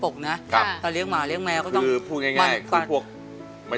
แล้วทำอะไรอีกคะ